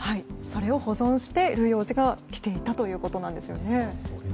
それを保存してルイ王子が着ていたということです。